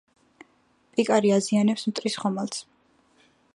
პიკარი აზიანებს მტრის ხომალდს.